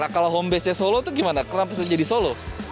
kalau home base nya solo itu gimana kenapa bisa jadi solo